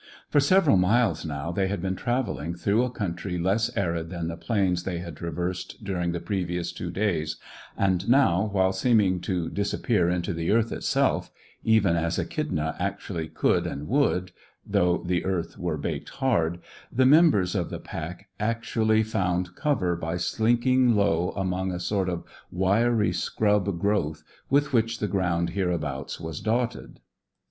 For several miles now they had been travelling through a country less arid than the plains they had traversed during the previous two days, and now, while seeming to disappear into the earth itself even as Echidna actually could and would, though the earth were baked hard the members of the pack actually found cover by slinking low amongst a sort of wiry scrub growth with which the ground hereabouts was dotted.